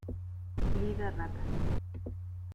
Ii de Rep.